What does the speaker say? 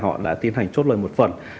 họ đã tiến hành chốt lời một phần